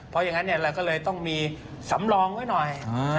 เพราะอย่างนั้นเราก็เลยต้องมีสำรองไว้หน่อย